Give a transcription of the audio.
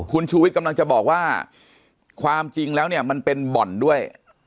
คุณชูวิทย์กำลังจะบอกว่าความจริงแล้วเนี่ยมันเป็นบ่อนด้วย